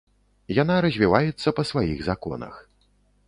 Яна развіваецца па сваіх законах.